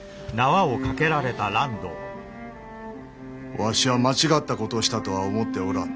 わしは間違ったことをしたとは思っておらん。